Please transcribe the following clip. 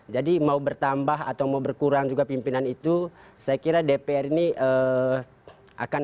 mau bertambah atau mau berkurang juga pimpinan itu saya kira dpr ini akan